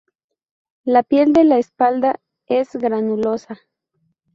La piel de la espalda es granulosa.